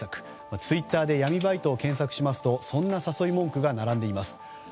ツイッターで闇バイトを検索しますとそんな誘い文句が並んでいます。